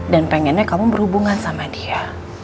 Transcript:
dan pengennya kamu berhubungan sama dia